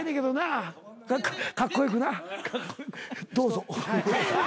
どうぞ。